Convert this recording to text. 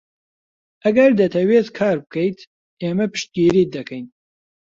ئەگەر دەتەوێت کار بکەیت، ئێمە پشتگیریت دەکەین.